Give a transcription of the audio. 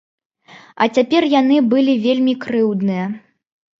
А цяпер яны былі вельмі крыўдныя.